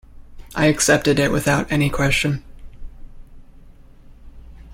I accepted it without any question.